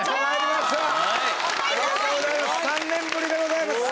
３年ぶりでございます！